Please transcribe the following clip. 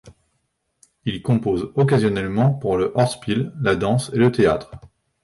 Il compose occasionnellement pour le Hörspiel, la danse et le théâtre.